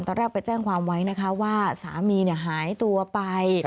ตอนแรกไปแจ้งความไว้นะคะว่าสามีหายตัวไป